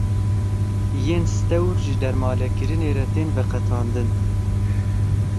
Yên stewr ji dermalekirinê re tên veqetandin.